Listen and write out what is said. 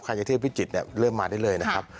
ขายเทพฟิจิตรเนี่ยเริ่มมาได้เลยนะครับ